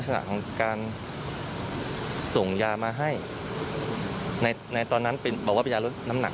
ในตอนนั้นเป็นบอกว่าเป็นยาลดน้ำหนัก